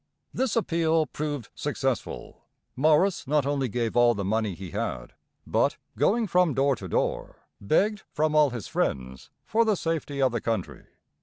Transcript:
This appeal proved successful. Morris not only gave all the money he had, but, going from door to door, begged from all his friends for the safety of the country.